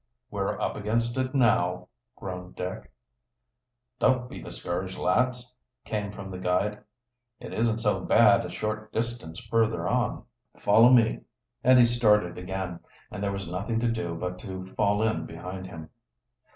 "We're up against it now," groaned Dick "Don't be discouraged lads!" came from the guide. "It isn't so bad a short distance further on. Follow me." And he started again, and there was nothing to do but to fall in behind him.